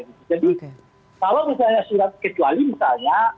kalau misalnya surat kecuali misalnya